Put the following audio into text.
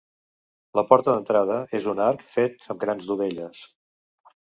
La porta d'entrada és un arc fet amb grans dovelles.